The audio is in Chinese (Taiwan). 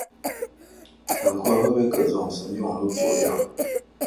很快會被各種神經網路做掉